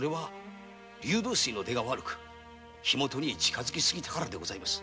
竜吐水の出が悪く火もとに近寄りすぎたからでございます。